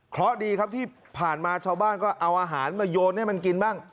เพราะดีครับที่ผ่านมาชาวบ้านก็เอาอาหารมาโยนให้มันกินบ้าง